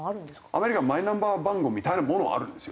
アメリカはマイナンバー番号みたいなものはあるんですよ。